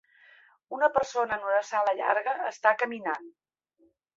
Una persona en una sala llarga està caminant